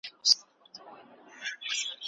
ایا تاسو غواړئ چي نورې جملي هم جوړې کړم؟